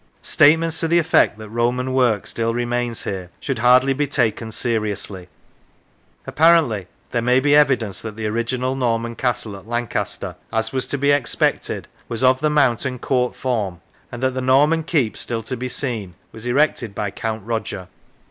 Statements to the effect that Roman work still remains here should hardly be taken seriously. Apparently there may be evidence that the original Norman castle at Lancaster, as was to be expected, was of the mount and court form, and that the Norman keep still to be seen was erected by Count Roger.